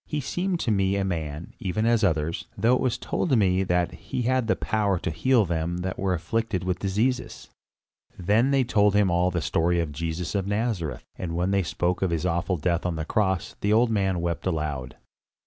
He seemed to me a man, even as others, though it was told me that he had the power to heal them that were afflicted with diseases." Then they told him all the story of Jesus of Nazareth; and when they spoke of his awful death on the cross, the old man wept aloud.